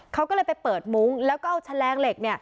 เขาก็เลยไปเปิดมุ้งแล้วก็เอาแฉลงเหล็ก